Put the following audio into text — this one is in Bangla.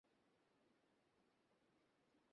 এইতো এসে গেছে।